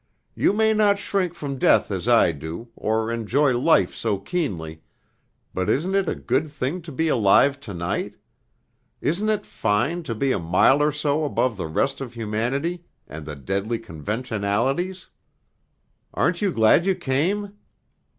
"You may not shrink from death as I do, or enjoy life so keenly, but isn't it a good thing to be alive to night? Isn't it fine to be a mile or so above the rest of humanity and the deadly conventionalities? Aren't you glad you came?"